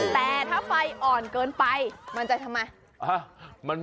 แต่ถ้าไฟอ่อนเกินไปมันจะทำไม